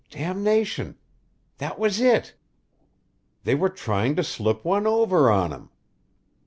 Damnation! That was it. They were trying to slip one over on him.